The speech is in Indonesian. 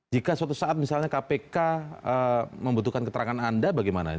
jika suatu saat misalnya kpk membutuhkan keterangan anda bagaimana ini